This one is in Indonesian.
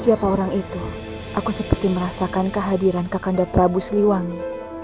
siapa orang itu aku seperti merasakan kehadiran kakanda prabu siliwangi